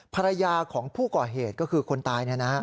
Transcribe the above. ภรรยาของผู้ก่อเหตุก็คือคนตาย